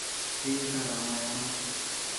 এই, ওটা রাম্যায়া না?